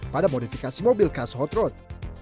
pada modifikasi mobil khas hot road